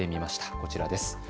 こちらです。